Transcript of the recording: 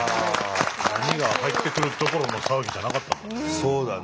波が入ってくるどころの騒ぎじゃなかったんだね。